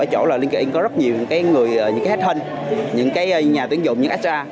ở chỗ là linkedin có rất nhiều cái người những cái headhunt những cái nhà tuyển dụng những cái extra